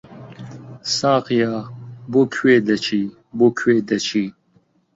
ساقییا! بۆ کوێ دەچی، بۆ کوێ دەچی؟